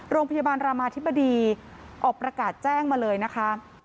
โรงพยาบาลรามาธิบดีออกประกาศแจ้งมาเลยนะคะ